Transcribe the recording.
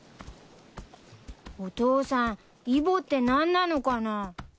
お父さんイボって何なのかな？